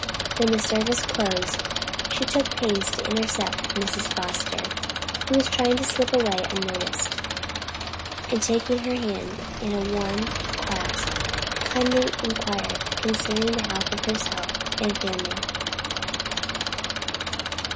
When the service closed she took pains to intercept Mrs. Foster, who was trying to slip away unnoticed, and taking her hand in a warm clasp, kindly inquired concerning the health of herself and family.